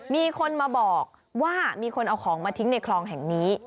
มีคนมาบอกว่ามีคนเอาของมาทิ้งในคลองแห่งนี้